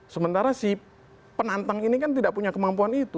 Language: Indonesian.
sementara si penantang ini kan tidak punya kemampuan itu